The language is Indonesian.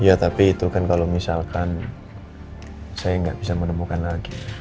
iya tapi itu kan kalau misalkan saya nggak bisa menemukan lagi